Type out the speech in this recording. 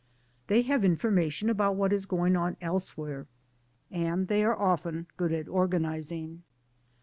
They have infor mation about what is going on elsewhere, and they often are good at organizing.